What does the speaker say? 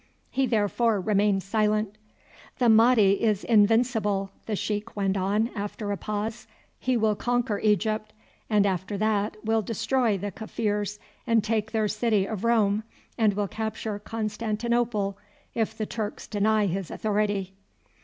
He therefore remained silent. "The Mahdi is invincible," the sheik went on after a pause. "He will conquer Egypt, and after that will destroy the Kaffirs and take their city of Rome, and will capture Constantinople if the Turks deny his authority."